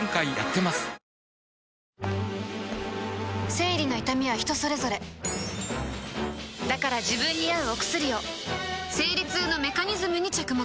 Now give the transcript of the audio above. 生理の痛みは人それぞれだから自分に合うお薬を生理痛のメカニズムに着目